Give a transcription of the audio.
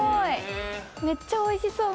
めっちゃおいしそう。